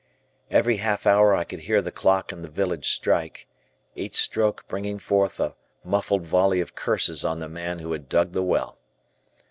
Every half hour I could hear the clock in the village strike, each stroke bringing forth a muffled volley of curses on the man who had dug the well.